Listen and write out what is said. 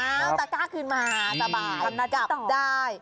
อ้าวตะกร้าคืนมาสบายทำหน้ากับได้